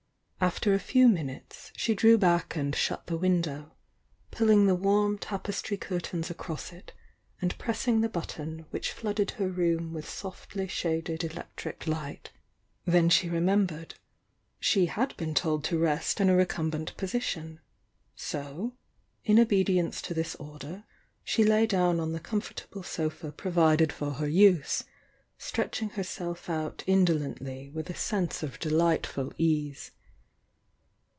After a few minutes she drew back and shut the window, pulling the warm tapestry curtains across it, and pressing the button which flooded her room with softly leaded electric light. Then she remembered — she had been told to rest in a recumbent position, so, in obedience to this order she lay down on the comfortable sofa provided for her use, stretching herself out indolently with a sense of delightful ease.